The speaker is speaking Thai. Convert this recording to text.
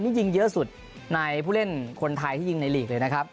นี่ยิงเยอะสุดในผู้เล่นคนไทยที่ยิงในหลีกเลยนะครับ